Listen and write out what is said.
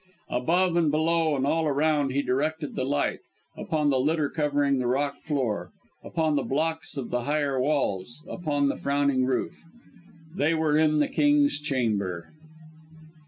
Above and below and all around he directed the light upon the litter covering the rock floor, upon the blocks of the higher walls, upon the frowning roof. They were alone in the King's Chamber!